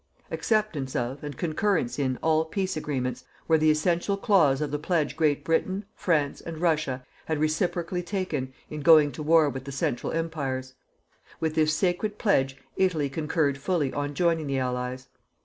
Acceptance of, and concurrence in, all peace agreements, were the essential clause of the pledge Great Britain, France and Russia had reciprocally taken in going to war with the Central Empires. With this sacred pledge Italy concurred fully on joining the Allies.